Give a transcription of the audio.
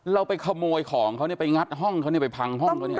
เราไปขโมยของเขาเนี่ยไปงัดห้องเขาเนี่ยไปพังห้องเขาเนี่ย